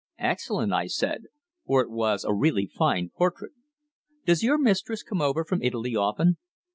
"Excellent," I said, for it was a really fine portrait. "Does your mistress come over from Italy often?"